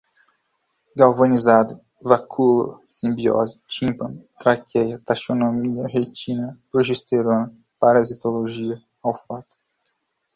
galvanizado, vacúolo, simbiose, tímpano, traqueia, taxonomia, retina, progesterona, parasitologia, olfato